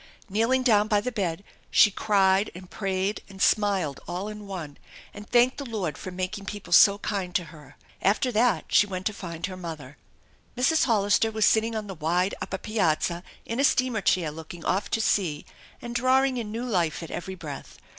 Kneeling down by the bed she cried and prayed and smiled all in one, and thanked the Lord for making people so kind to her. After that she went to find her mother. Mrs. Hollister was sitting on the wide upper piazza in a steamer chair looking off to sea and drawing in new life at every breath.